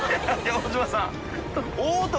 大島さん）